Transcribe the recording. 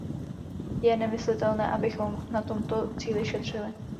Je nemyslitelné, abychom na tomto cíli šetřili.